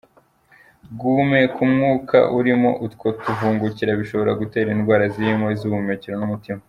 Guhumeka umwuka urimo utwo tuvungukira bishobora gutera indwara zirimo iz’ubuhumekero n’umutima.